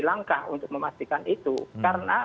langkah untuk memastikan itu karena